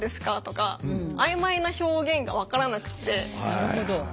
なるほど。